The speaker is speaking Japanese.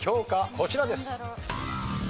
こちらです。